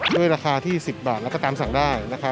ด้วยราคาที่๑๐บาทแล้วก็ตามสั่งได้